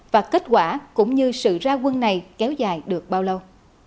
và kết quả cũng như sự ra quân này kéo dài được bao lâu